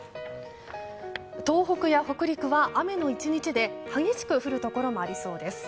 東北や北陸は雨の１日で激しく降るところもありそうです。